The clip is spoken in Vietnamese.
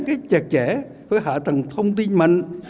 chặt chẽ với hạ tầng thông tin mạnh